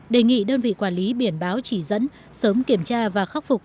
đề nghị đơn vị quản lý biển báo chỉ dẫn sớm kiểm tra và khắc phục